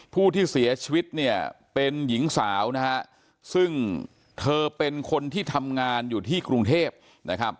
ผู้ที่เสียชีวิตเนี่ยเป็นหญิงสาวนะฮะซึ่งเธอเป็นคนที่ทำงานอยู่ที่กรุงเทพนะครับ